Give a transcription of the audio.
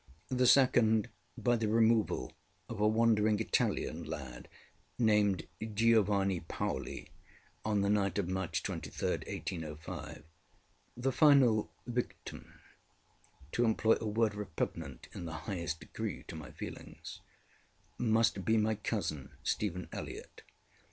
The second, by the removal of a wandering Italian lad, named Giovanni Paoli, on the night of March 23, 1805. The final ŌĆśvictimŌĆÖŌĆöto employ a word repugnant in the highest degree to my feelingsŌĆömust be my cousin, Stephen Elliott.